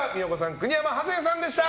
国山ハセンさんでした。